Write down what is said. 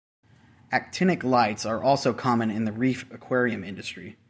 Actinic lights are also common in the reef aquarium industry.